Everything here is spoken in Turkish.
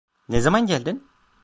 Ne zaman geldin?